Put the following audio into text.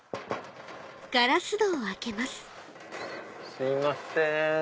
すいません。